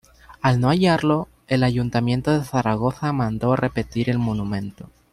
Al no hallarlo, el Ayuntamiento de Zaragoza mandó repetir el monumento.